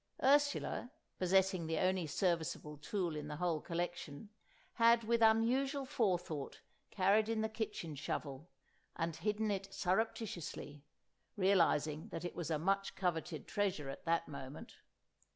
Ursula, possessing the only serviceable tool in the whole collection, had with unusual forethought carried in the kitchen shovel, and hidden it surreptitiously—realising that it was a much coveted treasure at that moment.